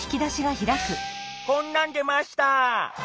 こんなん出ました。